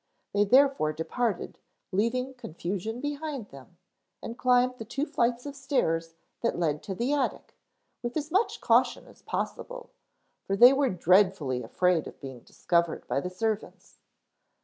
They therefore departed, leaving confusion behind them, and climbed the two flights of stairs that led to the attic with as much caution as possible, for they were dreadfully afraid of being discovered by the servants.